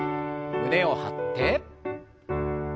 胸を張って。